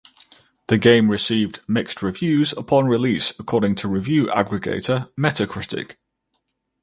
The game received mixed reviews upon release according to review aggregator Metacritic.